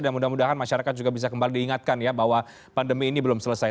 dan mudah mudahan masyarakat juga bisa kembali diingatkan ya bahwa pandemi ini belum selesai